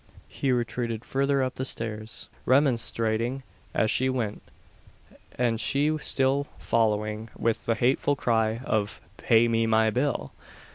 He retreated farther up the stairs, remonstrating as he went, and she still following with the hateful cry of "Pay me my bill!"